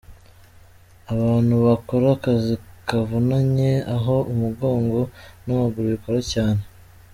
Abantu bakora akazi kavunanye aho umugongo n’amaguru bikora cyane.